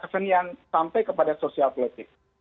kesenian sampai kepada sosial politik